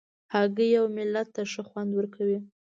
هګۍ اوملت ته ښه خوند ورکوي.